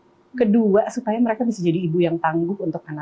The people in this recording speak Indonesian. untuk di dunia ke dua supaya mereka bisa jadi ibu yang tangguh untuk anak anaknya